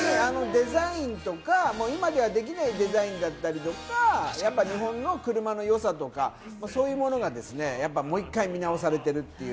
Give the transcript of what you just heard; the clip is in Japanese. デザインとか、今ではできないデザインだったりとか、日本の車のよさとか、そういうものがもう１回、見直されている。